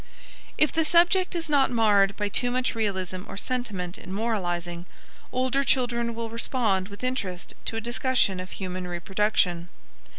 If the subject is not marred by too much realism or sentiment or moralizing, older children will respond with interest to a discussion of human reproduction.